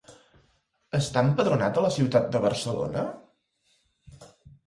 Està empadronat a la ciutat de Barcelona?